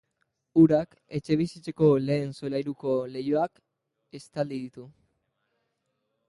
Urak etxebizitzetako lehen solairuko leihoak estali ditu.